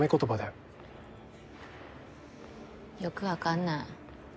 よくわかんない。